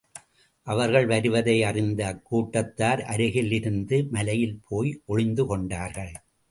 அவர்கள் வருவதை அறிந்த அக்கூட்டத்தார் அருகில் இருந்த மலையில் போய் ஒளிந்து கொண்டார்கள்.